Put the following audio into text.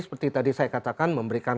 seperti tadi saya katakan memberikan